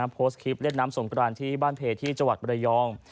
โพสต์คลิปเล่นน้ำสงกรานที่บ้านเพที่จังหวัดบรยอง